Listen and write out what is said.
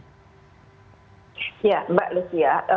ya mbak lucia